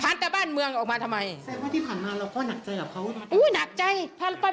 พันแต่บ้านเมืองออกมาทำไม